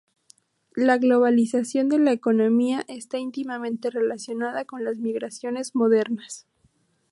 La globalización de la economía está íntimamente relacionada con las migraciones modernas.